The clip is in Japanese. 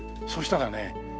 そしたらね